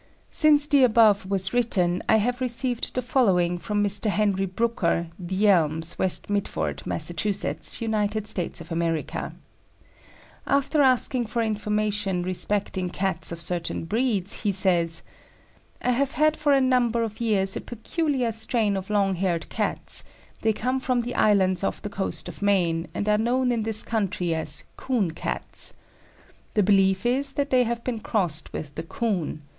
Since the above was written, I have received the following from Mr. Henry Brooker, The Elms, West Midford, Massachusetts, United States of America. After asking for information respecting Cats of certain breeds, he says: "I have had for a number of years a peculiar strain of long haired Cats; they come from the islands off the coast of Maine, and are known in this country as 'Coon' Cats. The belief is that they have been crossed with the 'Coon.'